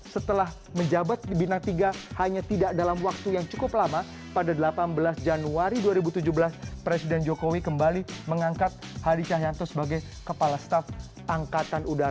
setelah menjabat di bintang tiga hanya tidak dalam waktu yang cukup lama pada delapan belas januari dua ribu tujuh belas presiden jokowi kembali mengangkat hadi cahyanto sebagai kepala staf angkatan udara